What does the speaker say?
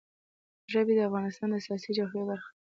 ژبې د افغانستان د سیاسي جغرافیه برخه ده.